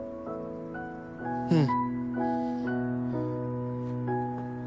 うん。